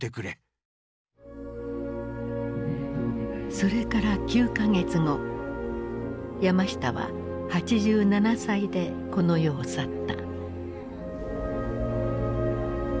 それから９か月後山下は８７歳でこの世を去った。